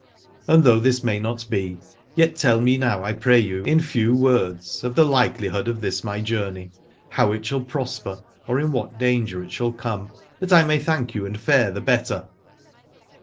And though this may not be, yet tell me now, I pray you, in few words, of the likeli hood of this my journey, how it shall pros per or in what danger it shall come, that I may thank you and fare the better.